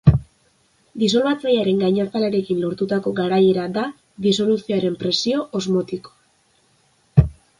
Disolbatzailearen gainazalarekin lortutako garaiera da disoluzioaren presio osmotikoa.